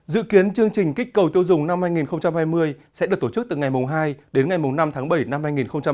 dự kiến chương trình kích cầu tiêu dùng năm hai nghìn hai mươi sẽ được tổ chức từ ngày hai đến ngày năm tháng bảy năm hai nghìn hai mươi